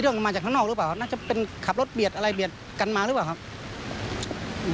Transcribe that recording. น่าจะเป็นขับรถเบียดอะไรเบียดกันมาหรือเปล่าครับ